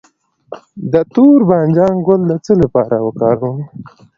د تور بانجان ګل د څه لپاره وکاروم؟